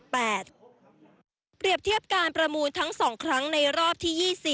เปรียบเทียบการประมูลทั้ง๒ครั้งในรอบที่๒๐